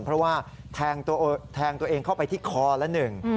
เพราะว่าแทงตัวเองเข้าไปที่คอละหนึ่ง